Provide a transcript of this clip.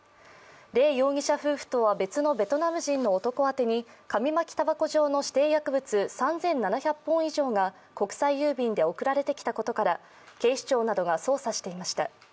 レ容疑者夫婦とは別のベトナム人の男宛てに紙巻きたばこ状の指定薬物３７００本以上が国際郵便で送られてきたことなどから警視庁などが捜査していました。